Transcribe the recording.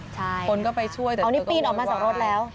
คนก็ไปช่วยแต่เธอก็วาย